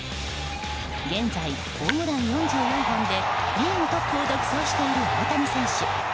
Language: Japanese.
現在ホームラン４４本でリーグトップを独走している大谷選手。